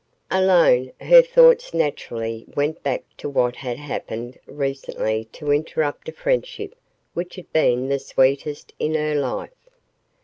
Alone, her thoughts naturally went back to what had happened recently to interrupt a friendship which had been the sweetest in her life.